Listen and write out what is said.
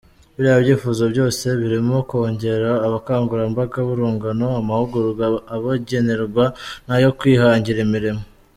Biriya byifuzo byose, birimo kongera abakangurambaga b’urungano, amahugurwa abagenerwa n’ayo kwihangira imirimo.